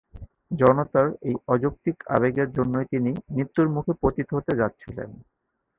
জনতার এই অযৌক্তিক আবেগের জন্যই তিনি মৃত্যুর মুখে পতিত হতে যাচ্ছিলেন।